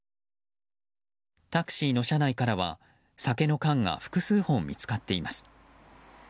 タクシーの車内からは酒の缶が複数本見つかっています。